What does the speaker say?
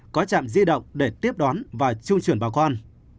có trạm di động để tiếp đón và trung chuyển bà con